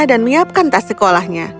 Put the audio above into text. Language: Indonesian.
dan miapkan tas sekolahnya